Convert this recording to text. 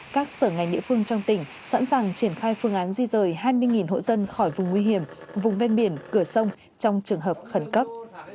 các sở ngành địa phương trong tỉnh sẵn sàng triển khai phương án di rời hai mươi hộ dân khỏi vùng nguy hiểm vùng ven biển cửa sông trong trường hợp khẩn cấp